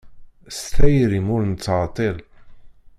S tayri-m ur nettɛeṭṭil.